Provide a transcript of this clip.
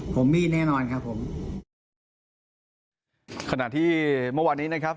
ผมมี่แน่นอนครับผมขณะที่เมื่อวานนี้นะครับ